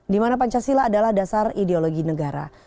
di mana pancasila adalah dasar ideologi negara